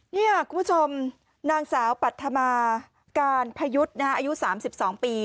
นี่คุณผู้ชมนางสาวปัธมาการพยุทธ์อายุ๓๒ปี